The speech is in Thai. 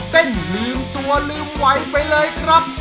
เต้นลีมตัวลีมไวไปเลยครับ